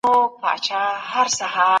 افغانانو د ښار دروازې کلکې ساتلې.